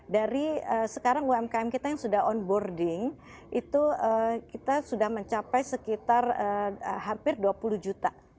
dari sekarang umkm kita yang sudah onboarding itu kita sudah mencapai sekitar hampir dua puluh juta